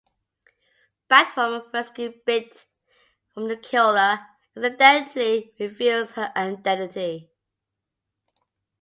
Batwoman rescues Bette from the killer and accidentally reveals her identity.